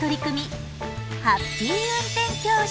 ハッピー運転教室。